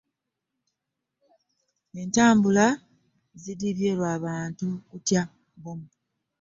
entambula zidibye lwa bantu kutya bomu.